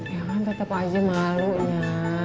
ya kan tetep aja malunya